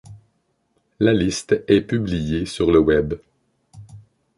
La liste est publiée sur le web.